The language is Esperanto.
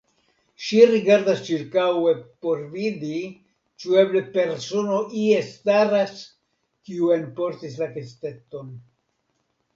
Ŝi rigardas ĉirkaŭe por vidi, ĉu eble persono ie staras, kiu enportis la kesteton.